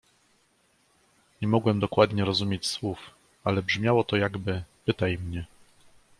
"Nie mogłem dokładnie rozumieć słów, ale brzmiało to jakby: „Pytaj mnie!"